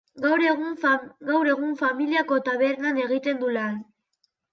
Gaur egun familiako tabernan egiten du lan.